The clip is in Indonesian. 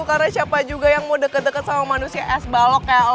karena siapa juga yang mau deket deket sama manusia es balok kayak lo